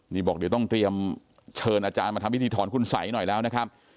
นี่บอกเดี๋ยวต้องเตรียมเชิญอาจารย์มาทำพิธีถอนคุณสัยหน่อยแล้วนะครับ